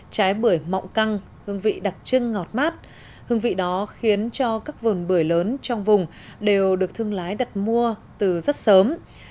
trái bưởi mọng căng hương vị đặc trưng ngọt mát hương vị đó khiến cho các vườn bưởi lớn trong vùng đều được thương lái đặt mua từ rất sớm